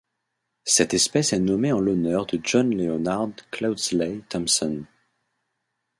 Cette espèce est nommée en l'honneur de John Leonard Cloudsley-Thompson.